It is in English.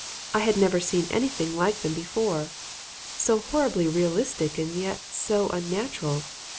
I had never seen anything like them before. So horribly realistic and yet so unnatural!